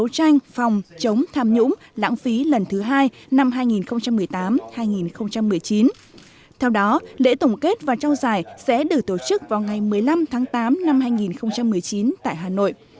theo đó lễ tổng kết và trao giải sẽ được tổ chức vào ngày một mươi năm tháng tám năm hai nghìn một mươi chín tại hà nội